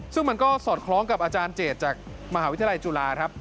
ซึ่งมันก็สอดคล้องกับอาจารย์เจตจากมหาวิทยาลัยจุฬาครับ